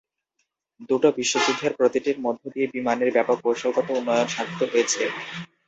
দুটো বিশ্বযুদ্ধের প্রতিটির মধ্য দিয়ে বিমানের ব্যাপক কৌশলগত উন্নয়ন সাধিত হয়েছে।